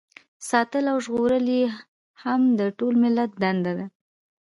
ساتل او ژغورل یې هم د ټول ملت دنده ده.